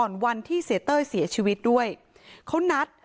เพลงที่สุดท้ายเสียเต้ยมาเสียชีวิตค่ะ